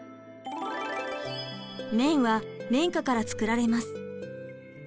綿は綿花から作られます。